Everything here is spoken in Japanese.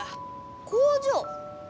工場？